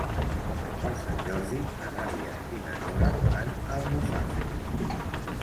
Per Sant Jordi na Nàdia i na Nora van a Almussafes.